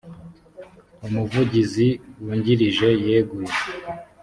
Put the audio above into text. umuvugizi wungirije yeguye